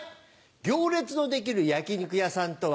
行列のできる焼き肉屋さんとは。